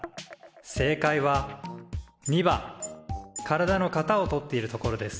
正解は②番体の型を取っているところです。